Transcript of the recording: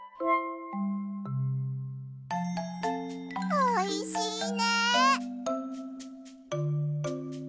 おいしいね！